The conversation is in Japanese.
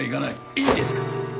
いいですか？